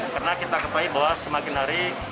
karena kita ketahui bahwa semakin hari